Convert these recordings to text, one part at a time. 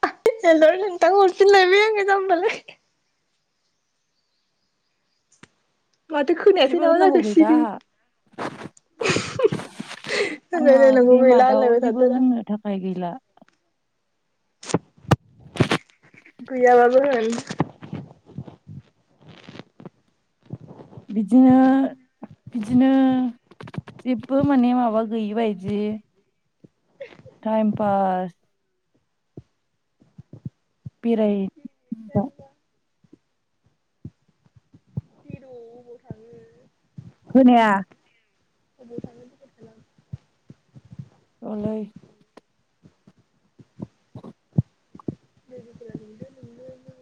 [unintelligible] Hello नोंथां हरफिनलायबाय आङो जामबालाय माथो खोनायासै जेबो नामा होननांगौ जाखो गैला सिरि [unintelligible] आंहा होनलायलाय नांगौ गैला बेमादाव होनलायबाय जेबो थादोरा होननो थाखाय गैला गैयाबाबो होन बिदिनो बिदिनो जेब्बो माने माबा गैयि बायदि थाइम फास बिराय [unintelligible] अबाव थाङो खोनाया अबाव थाङो खबर खालाम औलै [unintelligible] लोगोफोरा लिंदो नोंनो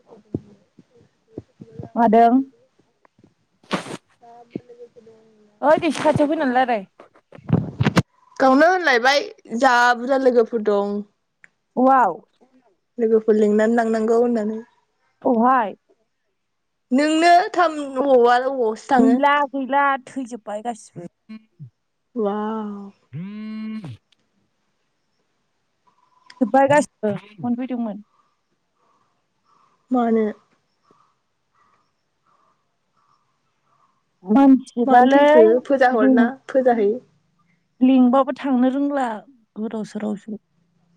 मादों ओइ गावनो दिस एसे खाथियाव फैना रायलाय गावनो होनलायबाय जा बुरजा लोगोफोर दं अवाव लोगोफोर लिंनानै लांनांगौ होननानै अहाय नोंनो थाम अवावआ गैला गैला थैजोब बाय गासैबो उवाव [unintelligible] [inaudible] जोब्बाय गासिबो मोनफैदोंमोन मानो मानो मानसिजोबालै थैखो फोजा हरना फोजाहै लिंबाबो थांनो रोंला गोदाव सोरावसो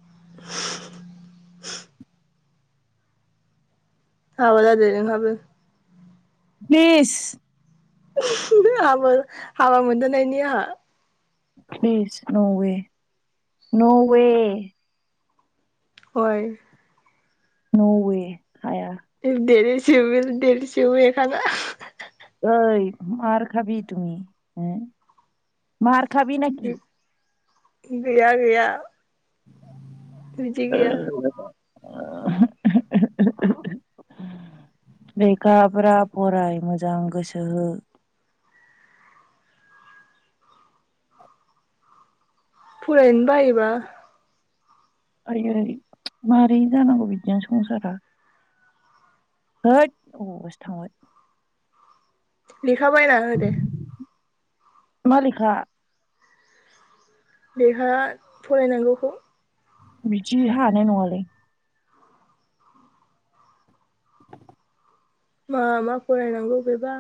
[unintelligible] हाबा जादो नोंहाबो इस [unintelligible] हाबो हाबा मोनदानायनि आहा प्लिस न'वे, न'वे। अय! न'वे [unintelligible] [unintelligible] ओइ मारखाबि तुमि उम मार खाबि नाखि? गैया गैया। बिदि गैया [unintelligible] लेखाफ्रा फराय मोजां गोसो हो। फरायनोनो बायोबा। ओइ ओइ मारै जानांगौ बिदिजों संसारा होद अबावबासो थांबाय। लेखाबायना होदे। मा लेखा? लेखा फरायनांगौखौ। बिदि हानाय नङालै। [inaudible] मा मा फरायनांगौ बेबा।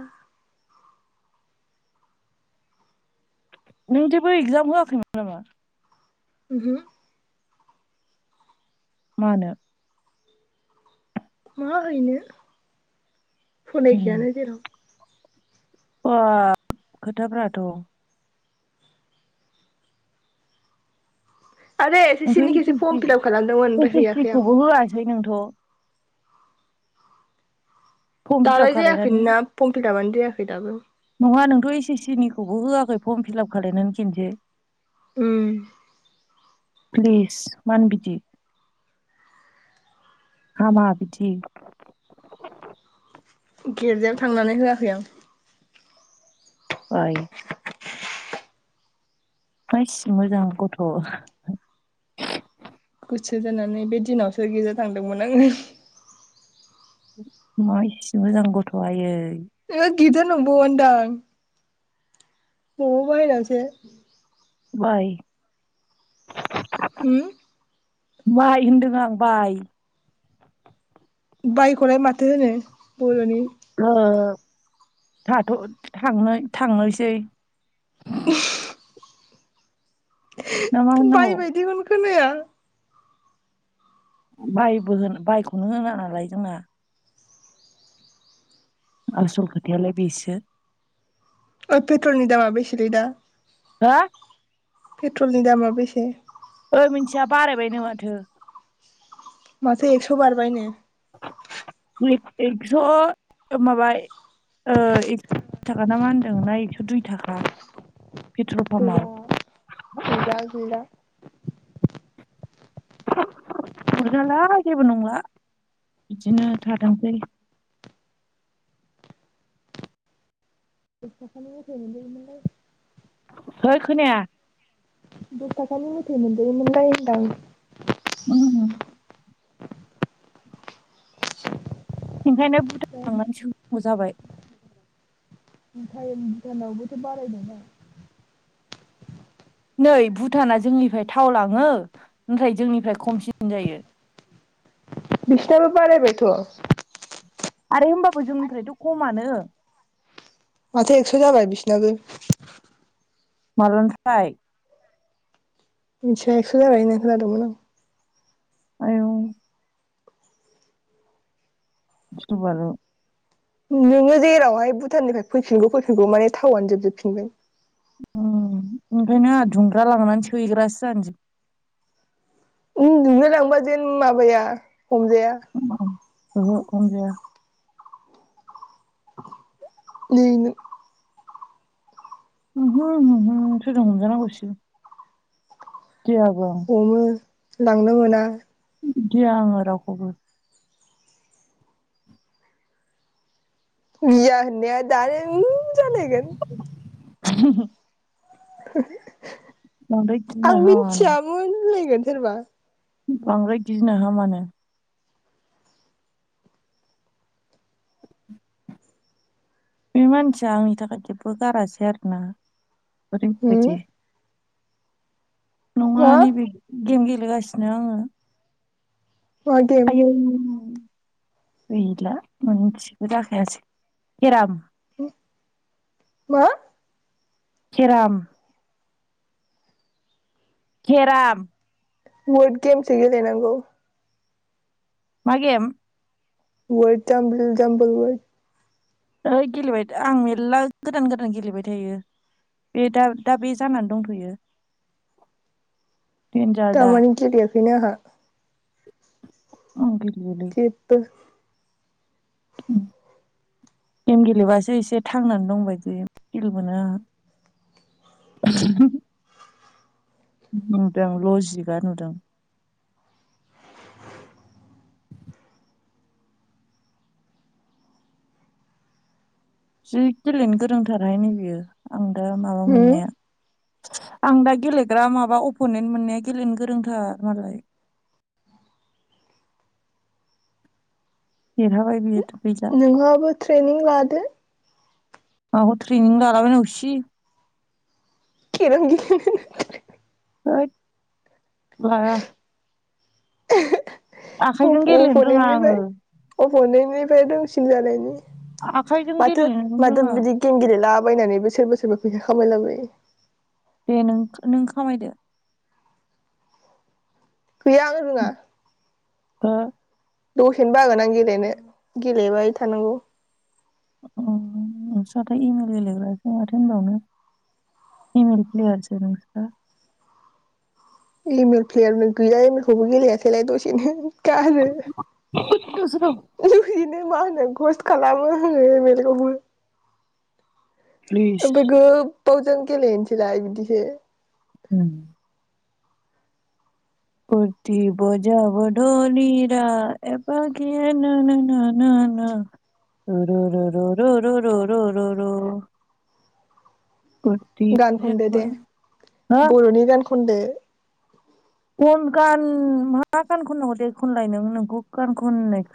नों जेबो इग्जाम होआखैमोन नामा? उमहो! मानो? मा हैनो? फरायखायानो जेराव। बा खोथाफ्राथ'। आरे एस एस सिनि खेबसो फर्म फिलाप खालामदोंमोन ओमफाय हैयाखै आं। सै नोंथ'? फर्म फिलाप दालाय खालायनानै जायाखैमोनना फर्म फिलापानो जायाखै दाबो। थ' एस एस सिनि खौबो होआखै फर्म फिलाप खालायनानै खेनसे। उम। प्लिज मानो बिदि। हामा बिदि। गिर्जायाव थांनानै होआखै आं। आय। मायसि मोजां गथ'। गोसो जानानै बे दिनावसो गिरजा थांदोंमोन आङो। मा इसे मोजां गथ' आयै। ओ गिरजा नंबावादां। अबावबा बायह्रायावसो। बाय। होम? बाइ होनदों आं बाइ। बाइखौलाय माथो होनो बर'नि? ओ थाथ' थांनो थांनोसै। [inaudible] ना मा बाय होननांगौ बायदिखोनो खोनाया बायबो होन बायखौनो होना नालाय जोंना आसल खोथायालाय बेसो ओइ पेट्रलनि दामा बेसेलै दा हा पेट्रलनि दामा बेसे ओइ मिनथिया बारायबायनो माथो माथो एस' बारबाय ने एक एक्स'ओ माबा ओ एकस' बिस थाखा ना मा होनदों ना एकस' दुइ थाखा पेट्रल पाम्पआव गैला-गैला-गैला अरजाला जेबो नंला बिदिनो थाथोंसै। दस थाखानि मेथाय मोनजायोमोनलै हैथ खोनाया दस थाखानि मेथाय मोनजायोमोनलै होनदां ओम ओंखायनो भुटान थांनानै सोहैनांगौ जाबाय। [inaudible] टाइम भुटानावबोथ बारायबाय। नै भुटाना जोंनिफ्राय थाव लाङो नाथाय जोंनिफ्राय खमसिन जायो। बिसिनाबो बारायबायथ। आरो होम्बाबो जोंनिफ्रायथ खमानो। माथो एकस जाबाय बिसनाबो। माब्लानिफ्राय। मिथिया एकस जाबाय होननाय खोनादोंमोन आं। आयौ। गिरु बारु नोंङो जेरावहाय भुटाननिफ्राय फैफिनगौ फैफिनगौ माने थावनो जोबजोबफिनगोन। उम ओंखायनो आ दुंग्रा लानानै सोग्रासो जानोसै। उम नुनो लांबा जेन माबाया [inaudible] हमजाया। सह ख गया [inaudible] नैनो [inaudible] [unintelligible] मोनजा नांगौ सि [inaudible] [unintelligible] हमो लांनो मोना गिया आंङो रावखौबो। गिया होनाया दानो ओं जालायगोन [inaudible] बांद्राय [inaudible] गिनो आं हामानो मिथियामोन लाइक नो सोरबा बांद्राय गिनो हामानो बे मानसिया आंनि थाखाय जेबो गारासै आरोना फोर होम बाजे [inaudible] नङा मा नै बे गेंगे [inaudible] गोग्लैगासिनो आङो [inaudible] मा गेम आयौ। ला मबोाय केेराम [inaudible] मा? खेराम। खेराम। बड गेम सिग जनाखौ। मागेम? वय जामपल जामपय [inaudible] ओइ गेलेबाय आं मेरला गोदान गोदान गेलेबाय थायो बे दा दा बे जानानै दंथ'यो। देनजार गामानि दयाखैनाहा [inaudible] अग [inaudible] जेबो। ओम गेम गेलेबासो एसे थांनानै दंबायदि फिल मोनो आंहा। जि गेलेनो गोरोंथाराहाय नै बियो। आं दा माबा होम मोननाया आं दा गेलेग्रा माबा अपनेन्ट मोननाया गेलेनो गोरोंथार मालाय। देरहाबाय बियोथ'। नोंहाबो ट्रेनिं लादो। माखौ ट्रेनिं लालाबायनांगौसि। [unintelligible] होद लाया। आखाइजों गेलेनो रोङा आङो। अफनैननिफ्राय दंसिन जानायनि। आखाइजों माथो गेलेनोनो माथो रोङा बिदि गेमगेलेला बायनानै बोसोर बोसोरबा फैसा खामायलाबाय। दे नों नों खामायदो। गैया आं रोङा। हो? दसेनो बागोन आं गेलेनो गेलेबाय थानांगौ। ओम नोंस्राथा इमेल गेलेग्रासो माथो होनबावनो इमेल प्लेयारसो नोंस्रा। इमेल प्लेयारनो गैया इमेलखोबो गेलेयाखैलाय दसेनो। गारो [unintelligible] मा होनो खस खालामो आरो इमेलखौबो। प्लिस ओबेगोब। गोबावजों गेलेनोसैलाय बिदिसो। ओम। फुरति बजाब दलिरा एबा [unintelligible] प्रति गान खनदो जब दे हा बरनि गान खन्दो कन गान मा गान खननांगौ दे खनलाय नों नोंखौ गान खननायखौ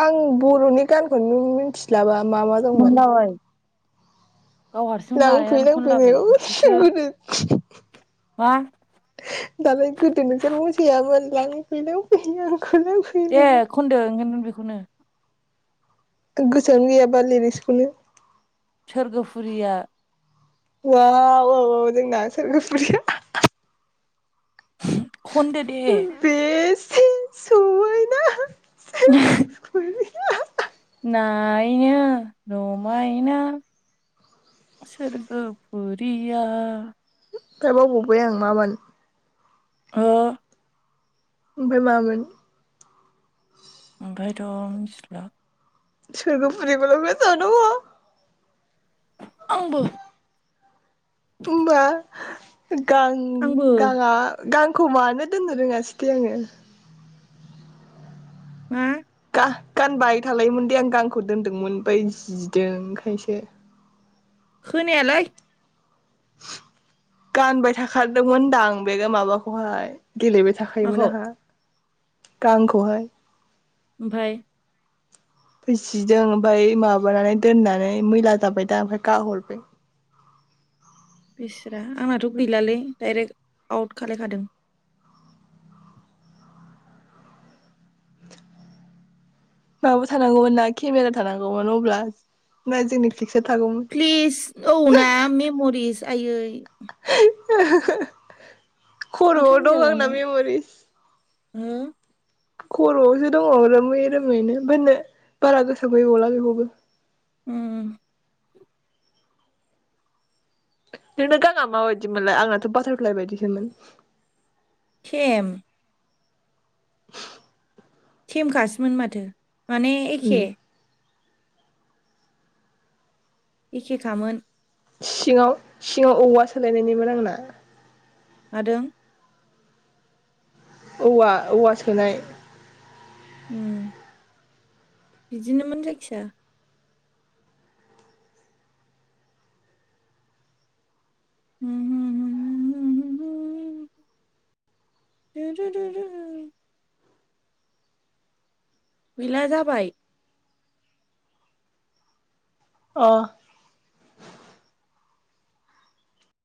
आं बरनि गानखौनो मिथि लाबा मा मा दंमोन खनलाबाय गाव हारसिं लांफै बानायनानै लांफै खनलाबायसो होनायखौ गोदो मा दालाय गोदो नोंसोर मोसायामोन लांफै लांफै आं दे खनदो ओंखायनोथन बेखौनो आं गोसोआवनो गैयाबा लिरिक्सखौनो सोरगोफुरिया हुआव औ औ जोंना सोरगोफुरिआ खन्दो दे [unintelligible] ना सोरगोफुरिया ओमफ्राय मायना रमायना सोरगोफुरिया [unintelligible] [unintelligible] ओ ओमफ्राय मामोन ओमफ्रायथ मिथिला सोरगो फुरि फोराव मोसानो आंबो थओमबा गां आंबो गांङा गां खमानो दोननो रोंङासिखै आंङो मा गानबाय थालायोमोन दे आं गांखौ दोनदोंमोन ओमफ्राय जिदों ओंखायसो खोनायालै गानबाय थाखादोंमोनदां आं बे माबाखौहाय गेलेबाय माखौ थाखायोमोन आहा गांखौहाय ओमफ्राय फै जिदों ओमफ्राय माबानानै दोननानै मैला जाबाय दा ओमफ्राय गाहरदों बिस्रा आंनाथ गैलालै दडाइरेक्ट आउट खालायखादों माबो थानांगौमोन ना केमेरा थानांगौमोन अब्ला ना जोंनि पिकसार थागौमोन प्लिस औ ना मेमरिस जायै [unintelligible] खरआव दं आंना मेमरि हु खरआवसो दङ रोमै रोमैनो होननो बारा गोसोबो गैबावला बेखौबो उम नोंना गांङा माबायदिमोनलाय आंनाथ बाथारफ्लाय बायदिसोमोन थेम थेमखासोमोन माथो माने एखे उम एखेखामोन सिङाव सिङाव औवा सोलायनायनिमोन आंना मादों? औवा औवा सोनाय उम बिदिनोमोन जायखिजाया [unintelligible] गैला जाबाय अ